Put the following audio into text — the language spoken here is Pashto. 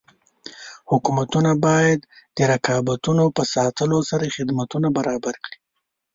حکومتونه باید د رقابتونو په ساتلو سره خدمتونه برابر کړي.